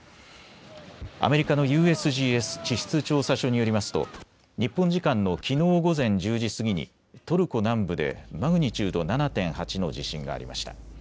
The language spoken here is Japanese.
アメリカのＵＳＧＳ・地質調査所によりますと日本時間のきのう午前１０時過ぎにトルコ南部でマグニチュード７．８の地震がありました。